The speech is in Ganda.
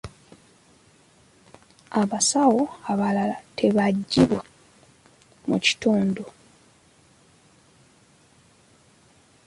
Abasawo abalala beetaagibwa mu kitundu.